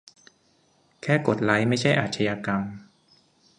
"แค่กดไลค์ ไม่ใช่อาชญากรรม"